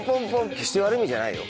決して悪い意味じゃないよ